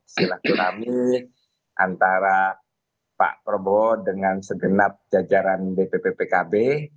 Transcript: silaturahmi antara pak prabowo dengan segenap jajaran dpp pkb